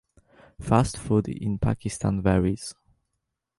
Fast food In Pakistan varies.